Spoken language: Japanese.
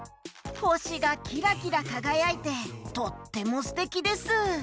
ほしがキラキラかがやいてとってもすてきです！